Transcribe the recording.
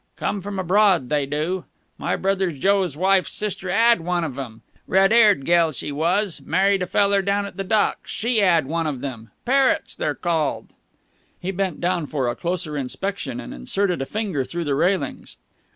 Come from abroad, they do. My brother Joe's wife's sister 'ad one of 'em. Red 'aired gel she was. Married a feller down at the Docks She 'ad one of 'em. Parrots they're called." He bent down for a closer inspection, and inserted a finger through the railings.